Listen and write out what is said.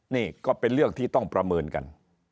นี่ก็เป็นเรื่องที่ต้องประเมินกัน